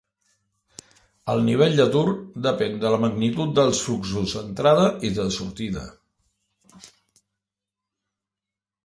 El nivell d'atur depèn de la magnitud dels fluxos d'entrada i de sortida.